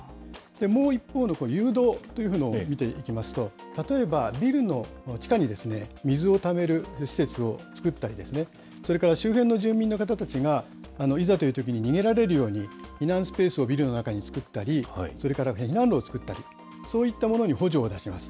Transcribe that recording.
もう一方の誘導というのを見ていきますと、例えばビルの地下に水をためる施設を造ったりですね、それから周辺の住民の方たちが、いざというときに逃げられるように、避難スペースをビルの中に造ったり、それから避難路を造ったり、そういったものに補助を出します。